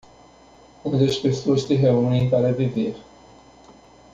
Onde as pessoas se reúnem para viver